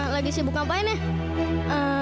lagi sibuk ngapain ya